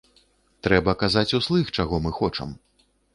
Трэба казаць услых, чаго мы хочам.